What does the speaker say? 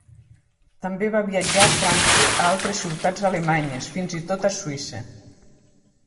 També va viatjar a Frankfurt, a altres ciutats alemanyes, fins i tot a Suïssa.